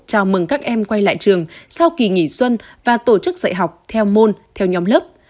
chào mừng các em quay lại trường sau kỳ nghỉ xuân và tổ chức dạy học theo môn theo nhóm lớp